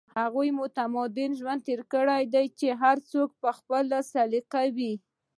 هغې متمدن ژوند تېر کړی چې هر څوک په خپله سليقه وي